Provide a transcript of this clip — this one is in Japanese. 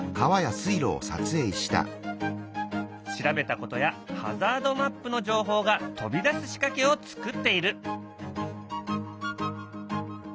調べたことやハザードマップの情報が飛び出す仕掛けを作っている。